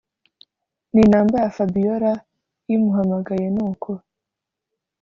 ni number ya fabiora imuhamagaye nuko